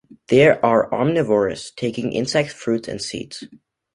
They are omnivorous, taking insects, fruit and seeds.